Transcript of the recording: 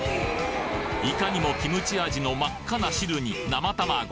いかにもキムチ味の真っ赤な汁に生卵。